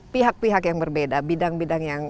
pihak pihak yang berbeda bidang bidang yang